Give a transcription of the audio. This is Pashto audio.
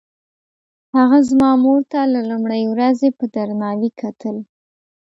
هغه زما مور ته له لومړۍ ورځې په درناوي کتل.